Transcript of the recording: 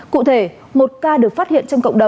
cụ thể một ca được phát hiện trong cộng đồng